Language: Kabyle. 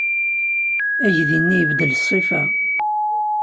Aydi-nni ibeddel ṣṣifa.